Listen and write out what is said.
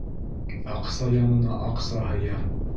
Аҡса янына аҡса һыя.